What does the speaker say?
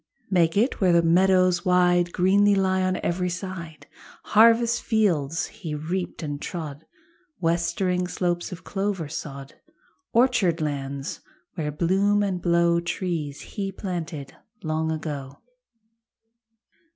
Make it where the meadows wide Greenly lie on every side. Harvest fields he reaped and trod, Westering slopes of clover sod, Orchard lands where bloom and blow Trees he planted long ago.